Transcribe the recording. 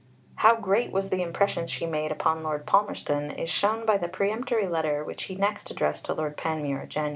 How great was the impression she made upon Lord Palmerston is shown by the peremptory letter which he next addressed to Lord Panmure (Jan.